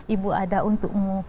ibu ada untukmu